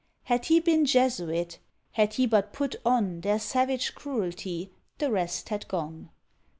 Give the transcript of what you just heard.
Had he been Jesuit, _had he but put on Their savage cruelty, the rest had gone!